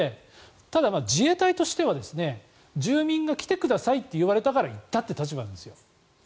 ただ、自衛隊としては住民が来てくださいと言われたから言ったという立場なんですよ。